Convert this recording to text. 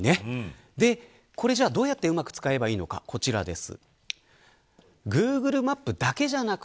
これ、じゃあどうやってうまく使えばいいのかこちらです。